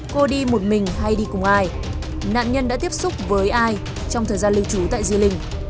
cô đi một mình hay đi cùng ai nạn nhân đã tiếp xúc với ai trong thời gian lưu trú tại di linh